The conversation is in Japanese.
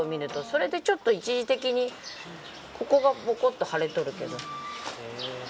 それでちょっと一時的にここがボコッと腫れとるけど。